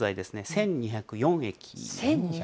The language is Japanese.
１２０４駅。